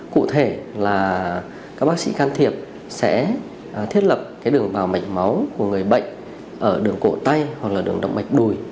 cụ thể là các bác sĩ can thiệp sẽ thiết lập cái đường vào mạch máu của người bệnh ở đường cổ tay hoặc là đường động mạch đùi